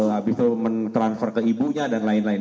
habis itu mentransfer ke ibunya dan lain lain